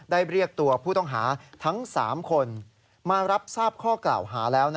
เรียกตัวผู้ต้องหาทั้ง๓คนมารับทราบข้อกล่าวหาแล้ว